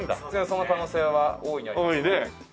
その可能性は大いにありますね。